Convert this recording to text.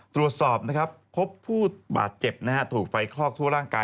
ตรวจสอบนะครับพบผู้บาดเจ็บถูกไฟคลอกทั่วร่างกาย